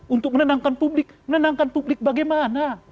untuk menenangkan publik menenangkan publik bagaimana